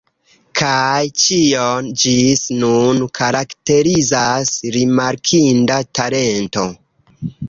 Kaj ĉion, ĝis nun, karakterizas rimarkinda talento.